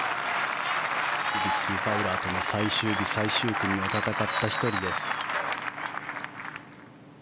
リッキー・ファウラーとの最終日、最終組を戦った１人です。